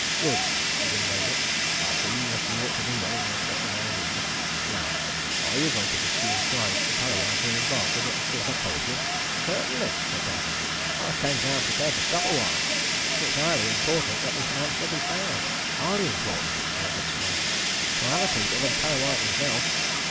"Good!" agreed Eldrick. "I see that you ought to do well in your special line of business. Now are you going to pursue inquiries for Parrawhite here in Barford, after what I've told you?" "Certainly!" said Byner. "I came down prepared to stop awhile. It's highly important that this man should be found highly important," he added smiling, "to other people than Parrawhite himself."